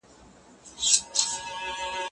په انګریزي کي د لارښود لپاره بېل نومونه سته.